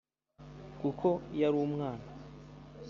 Kuko yari umwana